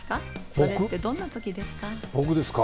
それってどんな時ですか？